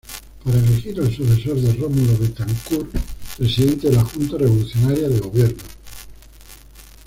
Para elegir al sucesor de Rómulo Betancourt, Presidente de la Junta Revolucionaria de Gobierno.